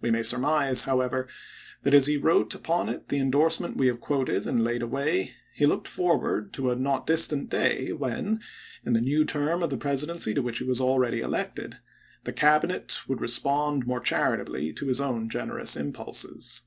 We may surmise, however, that, as he wrote upon it the indorsement we have quoted and laid it away, he looked forward to a not distant day when, in the new term of the Presidency to which he was already elected, the Cabinet would respond more charitably to his own generous impulses.